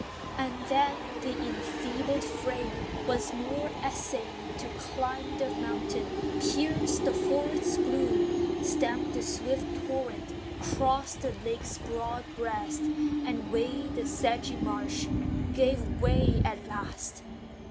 And then, th' enfeebled frame, once more essaying To climb the mountain, pierce the forest's gloom, Stem the swift torrent, cross the lake's broad breast, And wade the sedgy marsh, gave way at last!